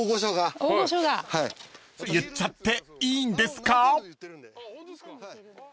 ［言っちゃっていいんですか？］